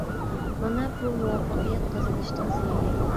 — مانا بۇ مۇۋەپپەقىيەت قازىنىشنىڭ سىرى.